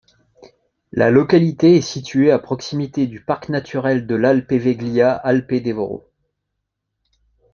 La localité est située à proximité du Parc naturel de l'Alpe Veglia-Alpe Devero.